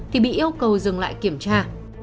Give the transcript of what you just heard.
thì bị yêu cầu dừng lại kiểm tra